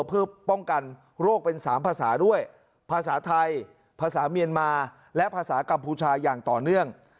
เพื่อป้องกันโรคเป็น๓ภาษาด้วยภาษาไทยภาษาเมียนมาและภาษากัมพูชาอย่างต่อเนื่อง